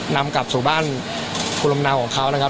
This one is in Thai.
นำกลับสู่บ้านภูมิลำเนาของเขานะครับ